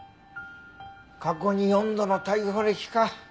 過去に４度の逮捕歴か。